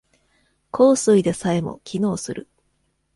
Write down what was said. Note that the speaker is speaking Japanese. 硬水でさえも機能する。